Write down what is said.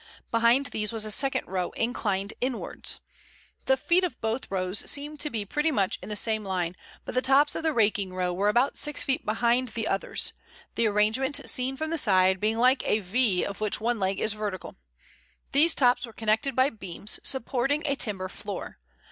Behind these was a second row, inclined inwards. The feet of both rows seemed to be pretty much in the same line, but the tops of the raking row were about six feet behind the others, the arrangement, seen from the side, being like a V of which one leg is vertical. These tops were connected by beams, supporting a timber floor.